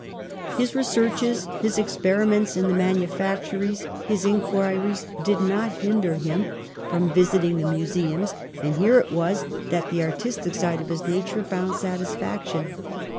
His researches, his experiments in the manu factories, his inquiries did not hinder him from A LABORIOUS YOUTH 43 visiting the museums, and here it was that the artistic side of his nature found satisfaction.